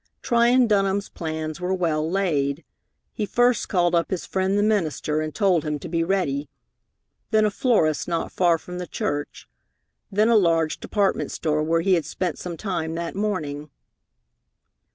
Tryon Dunham's plans were well laid. He first called up his friend the minister and told him to be ready; then a florist not far from the church; then a large department store where he had spent some time that morning.